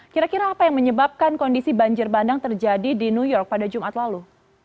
kira kira apa yang menyebabkan kondisi banjir bandang terjadi di new york pada jumat lalu